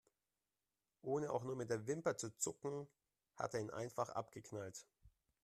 Ohne auch nur mit der Wimper zu zucken, hat er ihn einfach abgeknallt.